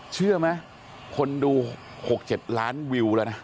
เชื่อมั้ยคนดู๖๗ล้านวิวและน่ะ